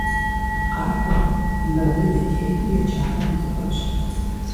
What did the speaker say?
Къакӏуэ, мыбы дытету еджапӏэм дыкӏуэнщ!